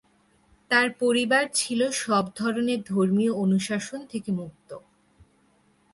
তার পরিবার ছিল সব ধরনের ধর্মীয় অনুশাসন থেকে মুক্ত।